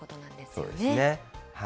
そうですね。